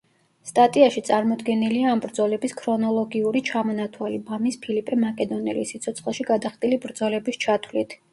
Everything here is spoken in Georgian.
სტატიაში წარმოდგენილია ამ ბრძოლების ქრონოლოგიური ჩამონათვალი, მამის ფილიპე მაკედონელის სიცოცხლეში გადახდილი ბრძოლების ჩათვლით.